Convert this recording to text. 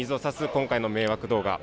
今回の迷惑動画。